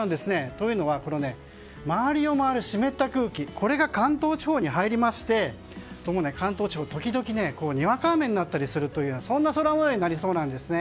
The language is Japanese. というのは、周りを回る湿った空気が関東地方に入りまして時々にわか雨になったりする空模様になりそうです。